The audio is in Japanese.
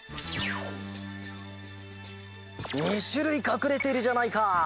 ２しゅるいかくれているじゃないか！